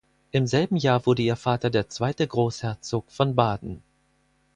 Im selben Jahr wurde ihr Vater der zweite Großherzog von Baden.